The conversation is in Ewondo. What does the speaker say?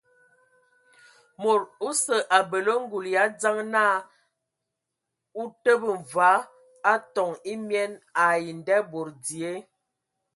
Mod osə abələ ngul yʼadzəŋ na utəbə mvɔa atoŋ emien ai ndabod dzie.